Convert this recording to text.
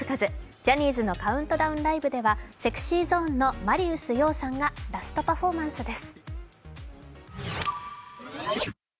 ジャニーズのカウントダウンライブではＳｅｘｙＺｏｎｅのマリウス葉さんがラストパフォーマンスです。